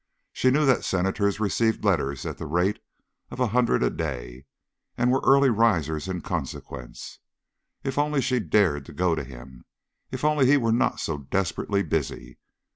She knew that Senators received letters at the rate of a hundred a day, and were early risers in consequence. If only she dared to go to him, if only he were not so desperately busy.